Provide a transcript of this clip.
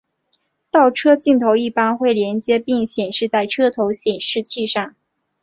倒车镜头一般会连结并显示在车头显示器上。